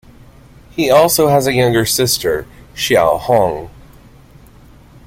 He also has a younger sister, Xiaohong.